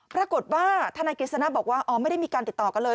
ทนายกฤษณะบอกว่าอ๋อไม่ได้มีการติดต่อกันเลย